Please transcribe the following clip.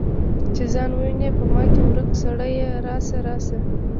چې ځان وویني په ما کې ورک سړیه راشه، راشه